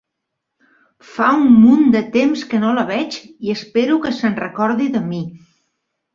Fa un munt de temps que no la veig i espero que se'n recordi de mi!